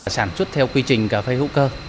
sản xuất theo quy trình cà phê hữu cơ